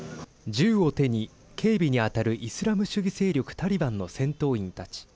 銃を手に警備に当たるイスラム主義勢力タリバンの戦闘員たち。